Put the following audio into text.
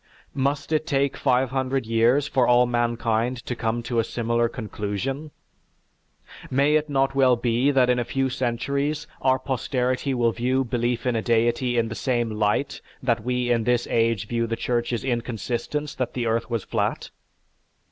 Must it take five hundred years for all mankind to come to a similar conclusion? May it not well be that in a few centuries our posterity will view belief in a deity in the same light that we in this age view the Church's insistence that the earth was flat?